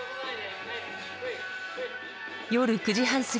夜９時半過ぎ